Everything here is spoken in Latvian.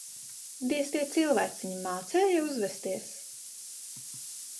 Diez tie cilvēciņi mācēja uzvesties?